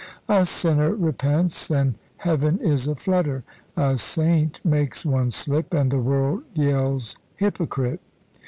A sinner repents, and Heaven is a flutter; a saint makes one slip, and the world yells hypocrite.